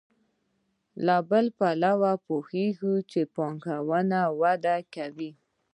له بل پلوه پوهېږو چې پانګه وده کوي